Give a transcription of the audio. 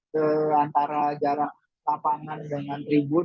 ke antara jarak lapangan dengan tribun